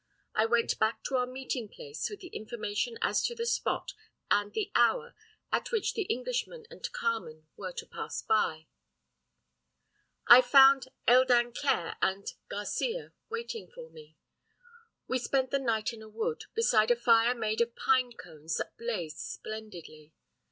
I went back to our meeting place with the information as to the spot and the hour at which the Englishman and Carmen were to pass by. I found El Dancaire and Garcia waiting for me. We spent the night in a wood, beside a fire made of pine cones that blazed splendidly.